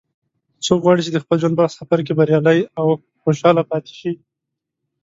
څوک غواړي چې د خپل ژوند په سفر کې بریالی او خوشحاله پاتې شي